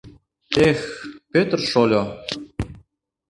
— Эх, Пӧтыр шольо.